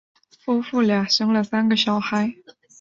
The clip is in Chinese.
夫妇俩生了三个小孩。